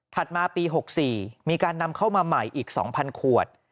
มาปี๖๔มีการนำเข้ามาใหม่อีก๒๐๐ขวด